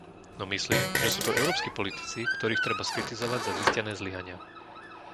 No myslím, že sú to európski politici, ktorých treba skritizovať za zistené zlyhania.